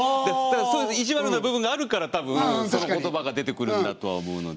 だからそういう意地悪な部分があるからたぶんその言葉が出てくるんだとは思うので。